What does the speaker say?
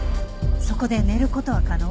そこで寝る事は可能？